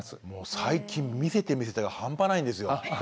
最近「見せて見せて」が半端ないんですよ。